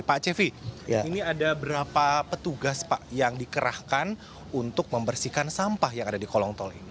pak cevi ini ada berapa petugas pak yang dikerahkan untuk membersihkan sampah yang ada di kolong tol ini